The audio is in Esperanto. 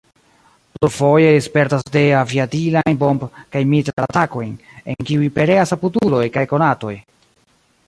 Plurfoje li spertas deaviadilajn bomb- kaj mitral-atakojn, en kiuj pereas apuduloj kaj konatoj.